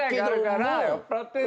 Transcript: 酔っぱらってる。